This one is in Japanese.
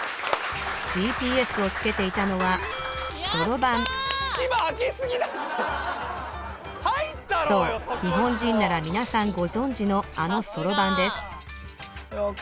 ＧＰＳをつけていたのはそろばんそう日本人なら皆さんご存じのあのそろばんです